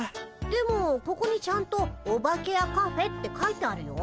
でもここにちゃんと「オバケやカフェ」って書いてあるよ。